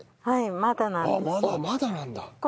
はいまだなんです。